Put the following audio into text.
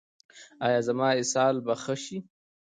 ایا زما اسهال به ښه شي؟